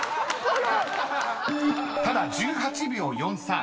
［ただ１８秒４３］